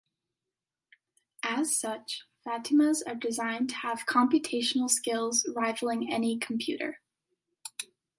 As such, Fatimas are designed to have computational skills rivaling any computer.